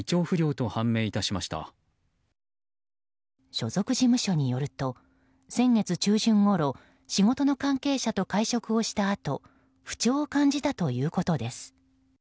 所属事務所によると先月中旬ごろ仕事の関係者と会食をしたあと不調を感じたということです。